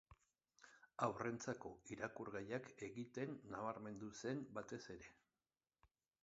Haurrentzako irakurgaiak egiten nabarmendu zen batez ere.